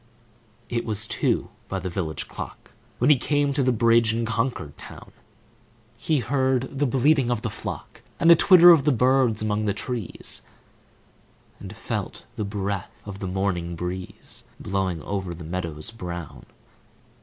It was two by the village clock, When he came to the bridge in Concord town. He heard the bleating of the flock, And the twitter of birds among the trees, And felt the breath of the morning breeze Blowing over the meadows brown.